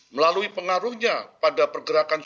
melalui pengaruhnya pada pergerakan bank indonesia